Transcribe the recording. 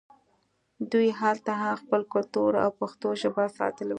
دوی هلته هم خپل کلتور او پښتو ژبه ساتلې وه